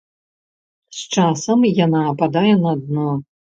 З часам яна ападае на дно.